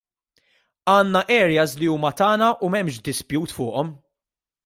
Għandna areas li huma tagħna u m'hemmx dispute fuqhom!